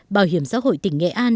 bảo hiểm xã hội tỉnh nghệ an